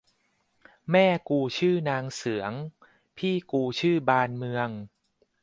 แม่กูชื่อนางเสือง พี่กูชื่อบานเมือง